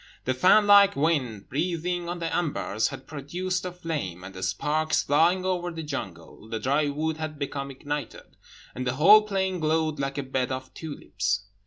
The fan like wind, breathing on the embers, had produced a flame; and the sparks, flying over the jungle, the dry wood had become ignited, and the whole plain glowed like a bed of tulips.